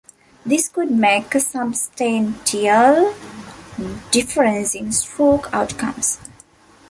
This could make a substantial difference in stroke outcomes.